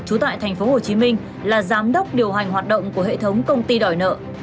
trú tại tp hcm là giám đốc điều hành hoạt động của hệ thống công ty đòi nợ